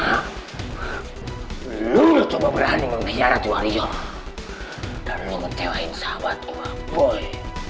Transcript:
sama lo pertama lo coba berani menghiarat wario dan lo mencewain sahabat umat boy